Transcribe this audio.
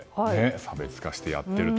差別化してやっていると。